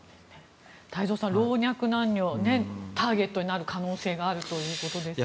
太蔵さん、老若男女ターゲットになる可能性があると。